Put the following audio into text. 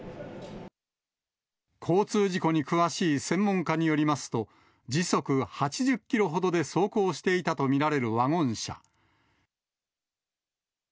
交通事故に詳しい専門家によりますと、時速８０キロほどで走行していたと見られるワゴン車。